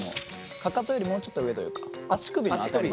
かかとよりもうちょっと上というか足首の辺りに。